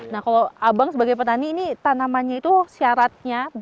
nah kalau abang sebagai petani ini tanamannya itu syaratnya